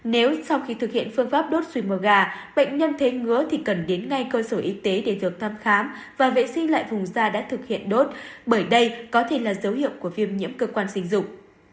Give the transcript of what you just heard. nếu sau khi thực hiện phương pháp đốt symerga bệnh nhân thế ngứa thì cần đến ngay cơ sở y tế để được thăm khám và vệ sinh lại vùng da đã thực hiện đốt bởi đây có thể là dấu hiệu của viêm nhiễm cơ quan sinh dục